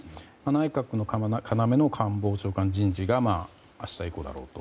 内閣の要の官房長官人事が明日以降だろうと。